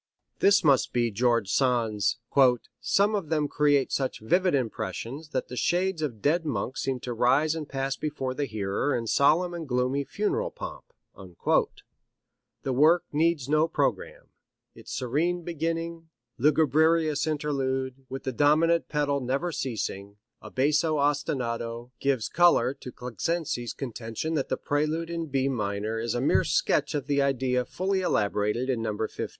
This must be George Sand's: "Some of them create such vivid impressions that the shades of dead monks seem to rise and pass before the hearer in solemn and gloomy funereal pomp." The work needs no programme. Its serene beginning, lugubrious interlude, with the dominant pedal never ceasing, a basso ostinato, gives color to Kleczynski's contention that the prelude in B minor is a mere sketch of the idea fully elaborated in No. 15.